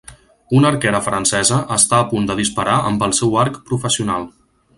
Una arquera francesa està a punt de disparar amb el seu arc professional.